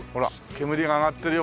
煙が上がってるよ